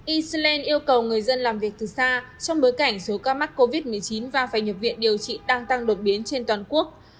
eceland yêu cầu người dân làm việc từ xa trong bối cảnh số ca mắc covid một mươi chín và phải nhập viện điều trị đang tăng đột biến trên toàn quốc